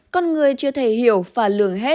con người chưa thể hiểu và lường hết